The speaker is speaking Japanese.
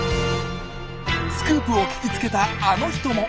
スクープを聞きつけたあの人も。